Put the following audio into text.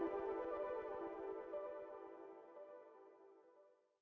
ทำด้วยความรู้ของตัวเองที่ตัวเองที่ตัวเองที่ตัวเองแน่นอน